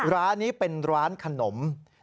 ร้านนี้เป็นร้านขนม